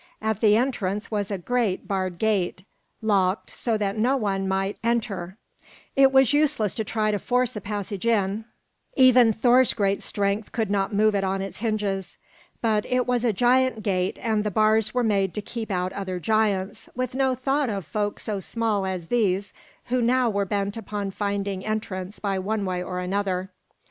At the entrance was a great barred gate, locked so that no one might enter. It was useless to try to force a passage in; even Thor's great strength could not move it on its hinges. But it was a giant gate, and the bars were made to keep out other giants, with no thought of folk so small as these who now were bent upon finding entrance by one way or another.